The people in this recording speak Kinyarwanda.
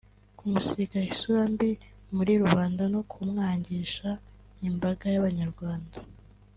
kumusiga isura mbi muri rubanda no kumwangisha imbaga y’abanyarwanda